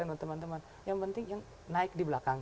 oleh teman teman yang penting yang naik di belakang